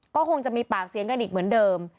ก็คงจะมีปากเสียงกันอีกเหมือนเดิม